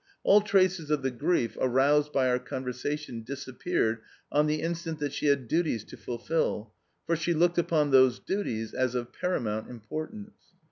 All traces of the grief, aroused by our conversation disappeared on, the instant that she had duties to fulfil, for she looked upon those duties as of paramount importance.